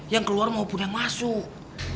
yang keluar maupun yang masuk